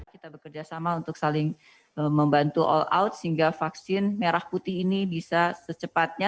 kita bekerjasama untuk saling membantu all out sehingga vaksin merah putih ini bisa secepatnya